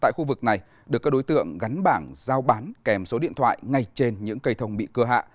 tại khu vực này được các đối tượng gắn bảng giao bán kèm số điện thoại ngay trên những cây thông bị cưa hạ